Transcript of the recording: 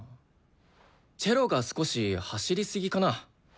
チェロが少し走りすぎかな。